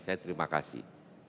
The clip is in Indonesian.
saya terima kasih